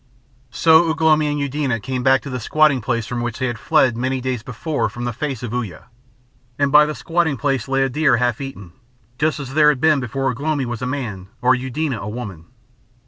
So Ugh lomi and Eudena came back to the squatting place from which they had fled many days before from the face of Uya; and by the squatting place lay a deer half eaten, just as there had been before Ugh lomi was man or Eudena woman.